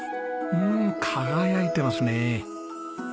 うん輝いてますね。